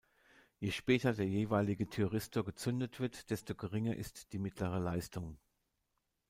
Je später der jeweilige Thyristor gezündet wird, desto geringer ist die mittlere Leistung.